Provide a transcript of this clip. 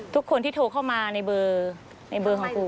ทุกคนที่โทรเข้ามาในเบอร์ของกู